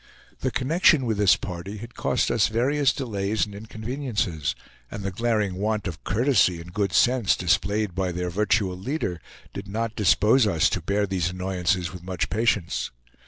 The connection with this party had cost us various delays and inconveniences; and the glaring want of courtesy and good sense displayed by their virtual leader did not dispose us to bear these annoyances with much patience.